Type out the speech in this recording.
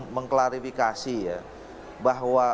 mengklarifikasi ya bahwa